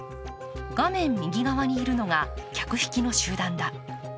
画面右側にいるのが客引きの集団だ。